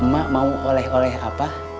mak mau oleh oleh apa